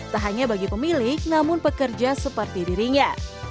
tak hanya bagi pemilik namun pekerja seperti dirinya